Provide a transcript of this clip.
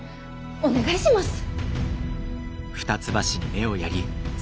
お願いします。